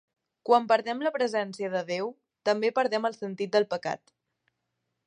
Quan perdem la presència de Déu, també perdem el sentit del pecat.